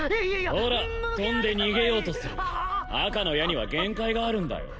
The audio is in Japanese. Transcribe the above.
ほら飛んで逃げようとする赤の矢には限界があるんだよ